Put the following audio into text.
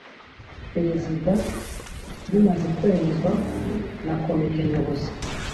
Perezida bimaze kwemezwa na Komite Nyobozi ;